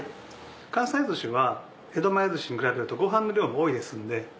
関西寿司は江戸前寿司に比べるとご飯の量も多いですので。